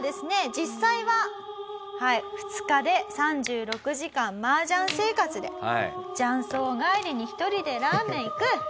実際は２日で３６時間麻雀生活で雀荘帰りに１人でラーメン行く。